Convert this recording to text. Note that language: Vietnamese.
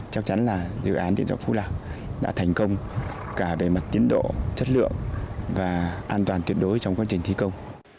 chắc chắn là dự án điện gió phú đảo đã thành công cả về mặt tiến độ chất lượng và an toàn tuyệt đối trong quá trình thi công